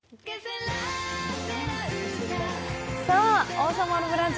「王様のブランチ」